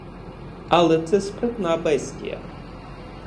Але це спритна бестія!